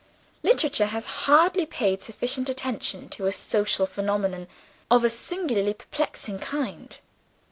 Literature has hardly paid sufficient attention to a social phenomenon of a singularly perplexing kind.